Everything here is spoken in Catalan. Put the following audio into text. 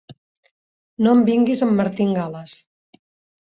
No em vinguis amb martingales.